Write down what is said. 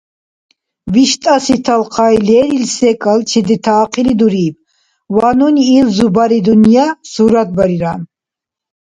ВиштӀаси талхъай лерил секӀал чедетаахъили дуриб, ва нуни ил зубари-дунъя суратбарира.